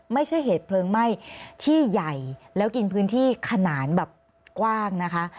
ไม่ใช่เหตุเพลิงไหม้ที่ใหญ่แล้วกินพื้นที่ขนานแบบกว้างนะคะ